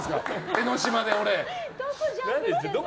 江の島で、俺。